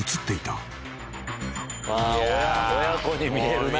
あ親子に見えるな。